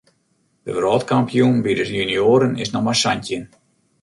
De wrâldkampioen by de junioaren is noch mar santjin.